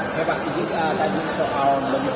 ya pak jadi tadi soal